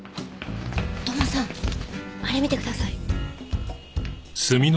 土門さんあれ見てください。